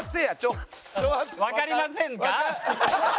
「わかりませんか？」。